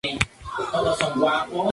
Lo que esto significaba no está claro.